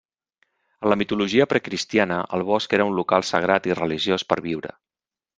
En la mitologia precristiana, el bosc era un local sagrat i religiós per a viure.